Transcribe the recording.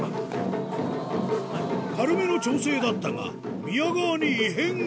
軽めの調整だったが、宮川に異変が。